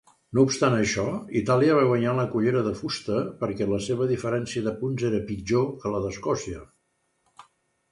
No obstant això, Itàlia va guanyar la cullera de fusta perquè la seva diferència de punts era pitjor que la d'Escòcia.